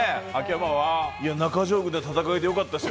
中条軍の戦いでよかったです。